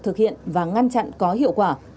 thực hiện và ngăn chặn có hiệu quả